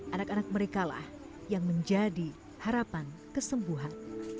anak anak mereka lah yang menjadi harapan kesembuhan